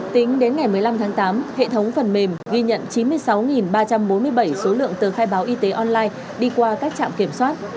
tính đến ngày một mươi năm tháng tám hệ thống phần mềm ghi nhận chín mươi sáu ba trăm bốn mươi bảy số lượng tờ khai báo y tế online đi qua các trạm kiểm soát